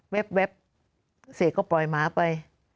แป๊บเสกก็ปล่อยหมาไป